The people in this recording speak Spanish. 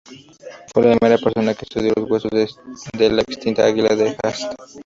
Fue la primera persona que estudió los huesos de la extinta águila de Haast.